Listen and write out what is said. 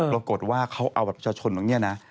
ปรากฏว่าเขาเอาบัตรประชาชนตรงนี้นะ